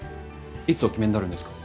いつお決めになるんですか？